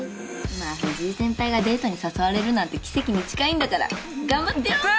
まあ藤井先輩がデートに誘われるなんて奇跡に近いんだから頑張ってよ。